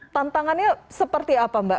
tantangannya seperti apa mbak